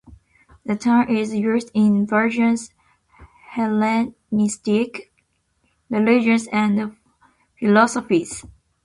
The term is used in various Hellenistic religions and philosophies.